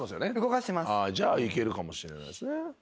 じゃあいけるかもしれないですね。